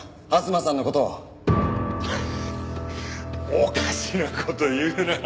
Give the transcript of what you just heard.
おかしな事言うな。